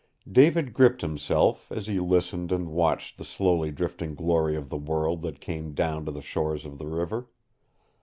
David gripped himself as he listened and watched the slowly drifting glory of the world that came down to the shores of the river.